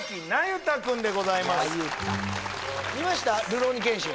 「るろうに剣心」